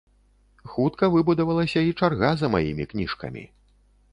Хутка выбудавалася і чарга за маімі кніжкамі.